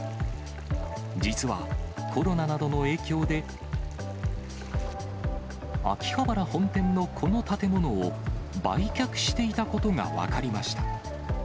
実は、コロナなどの影響で、秋葉原本店のこの建物を売却していたことが分かりました。